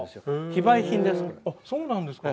非売品です。